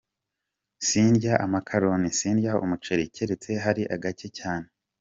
Sindya amakaroni, sindya umuceri, keretse ahari gake cyane.